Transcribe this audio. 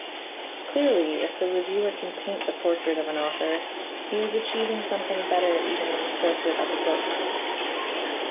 Clearly, if the reviewer can paint the portrait of an author, he is achieving something better even than the portrait of a book.